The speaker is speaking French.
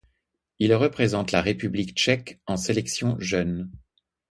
Il représente la République tchèque en sélections jeunes.